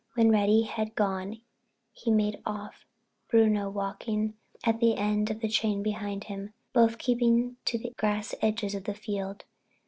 When Reddy had gone, he made off, Bruno walking at the end of the chain behind him, both keeping to the grass edges of the fields.